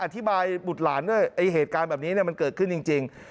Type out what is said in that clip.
อธิบายบุตรหลานด้วยเหตุการณ์แบบนี้มันเกิดขึ้นจริง